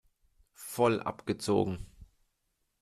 Voll abgezogen!